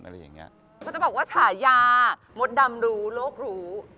เขาจะบอกว่าฉายามดดำรู้โลกรู้